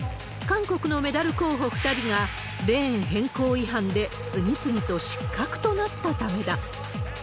韓国のメダル候補２人が、レーン変更違反で次々と失格となったためだ。